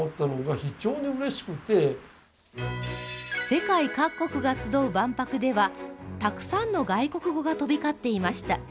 世界各国が集う万博では、たくさんの外国語が飛び交っていました。